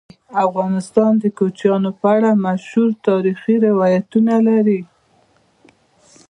افغانستان د کوچیان په اړه مشهور تاریخی روایتونه لري.